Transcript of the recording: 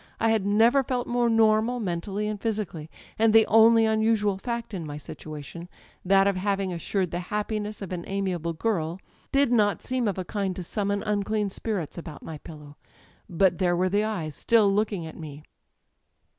I had never felt more normal, mentally and physically; and the only unusual fact in my situation â€" ^that of hav ing assured the happiness of an amiable girl â€" did not seem of a kind to summon unclean spirits about my pillow. But there were the eyes still looking at me